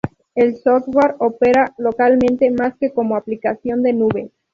El software opera localmente más que como aplicación de nube.